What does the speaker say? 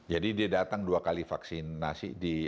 jadi dia datang dua kali vaksinasi